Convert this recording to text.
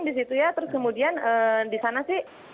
di situ ya terus kemudian di sana sih